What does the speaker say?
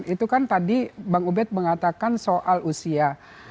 itu kan tadi bang ubed mengatakan soal usia